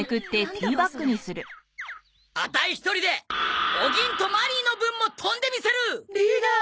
アタイ一人でお銀とマリーの分も跳んでみせる！リーダー！